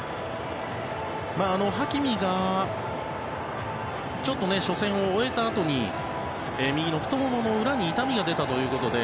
ハキミがちょっと、初戦を終えたあとに右の太ももの裏に痛みが出たということで